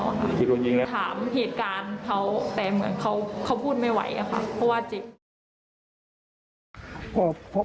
ถามเหตุการณ์เขาแต่เหมือนเขาเขาพูดไม่ไหวอะค่ะเพราะว่าเจ็บ